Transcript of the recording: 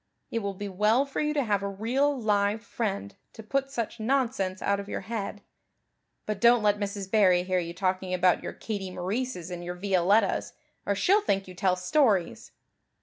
It will be well for you to have a real live friend to put such nonsense out of your head. But don't let Mrs. Barry hear you talking about your Katie Maurices and your Violettas or she'll think you tell stories."